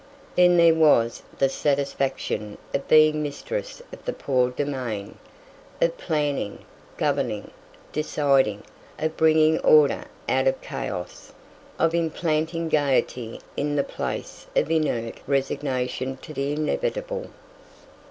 Then there was the satisfaction of being mistress of the poor domain; of planning, governing, deciding; of bringing order out of chaos; of implanting gayety in the place of inert resignation to the inevitable.